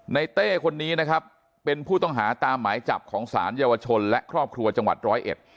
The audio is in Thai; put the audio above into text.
เต้คนนี้นะครับเป็นผู้ต้องหาตามหมายจับของสารเยาวชนและครอบครัวจังหวัดร้อยเอ็ด